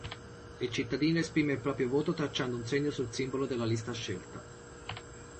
Il cittadino esprime il proprio voto tracciando un segno sul simbolo della lista scelta.